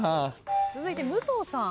続いて武藤さん。